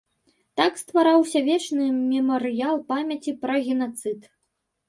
Так ствараўся вечны мемарыял памяці пра генацыд.